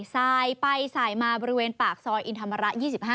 สายไปสายมาบริเวณปากซอยอินธรรมระ๒๕